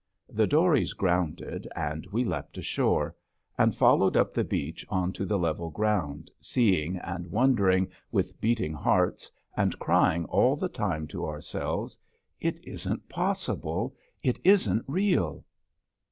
The dories grounded and we leapt ashore, and followed up the beach onto the level ground seeing and wondering, with beating hearts, and crying all the time to ourselves: "It isn't possible, it isn't real!"